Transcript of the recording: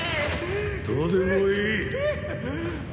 どうでもいい。